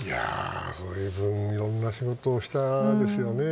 いろんな仕事をしたんですよね。